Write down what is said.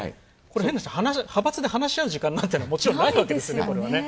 変な話、派閥で話し合う時間なんていうのはもちろんないわけですからね、これはね。